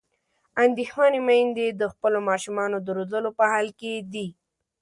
اندېښمنې میندې د خپلو ماشومانو د روزلو په حال کې دي.